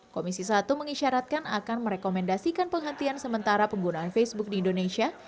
komisi satu mengisyaratkan akan merekomendasikan penghentian sementara penggunaan facebook di indonesia